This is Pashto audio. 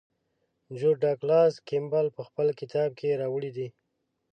جورج ډاګلاس کیمبل په خپل کتاب کې راوړی دی.